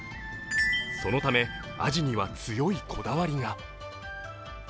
そのため、あじには強いこだわりが。